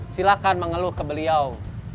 silahkan mengeluh ke beliau